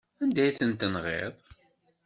Anda ay ten-tenɣiḍ?